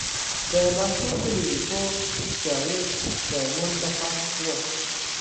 دا د نامتو بیولوژي پوه جارېډ ډایمونډ له خوا وه.